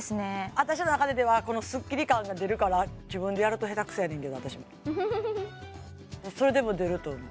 私の中でではこのスッキリ感が出るから自分でやると下手くそやねんけど私もそれでも出ると思う